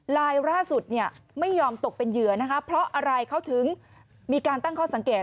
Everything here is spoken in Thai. ลายล่าสุดเนี่ยไม่ยอมตกเป็นเหยื่อนะคะเพราะอะไรเขาถึงมีการตั้งข้อสังเกต